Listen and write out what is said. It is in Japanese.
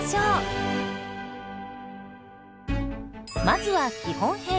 まずは基本編。